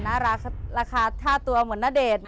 ราคาท่าตัวเหมือนณเดชน์